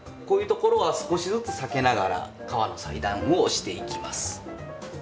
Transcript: こういうところは少しずつ避けながら革の裁断をしていきます。